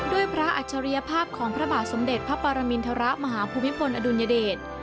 พระอัจฉริยภาพของพระบาทสมเด็จพระปรมินทรมาหาภูมิพลอดุลยเดช